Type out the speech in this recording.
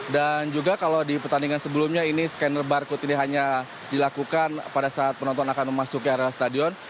dan juga kalau di pertandingan sebelumnya ini scanner barcode ini hanya dilakukan pada saat penonton akan memasuki area stadion